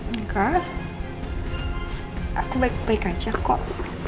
enggak aku baik baik aja kok